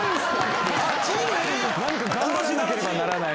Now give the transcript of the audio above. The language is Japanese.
頑張らなければならない。